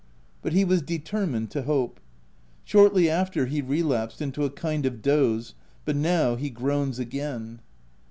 But he was determined to hope. Shortly after, he re OF WILDFELL HALL. 243 lapsed into a kind of doze — but now he groans again.